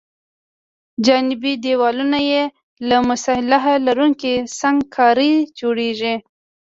جانبي دیوالونه یې له مصالحه لرونکې سنګ کارۍ جوړیږي